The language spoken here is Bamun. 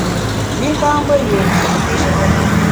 Li ka mbe yùen, nshut pishe.